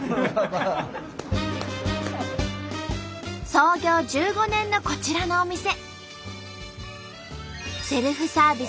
創業１５年のこちらのお店。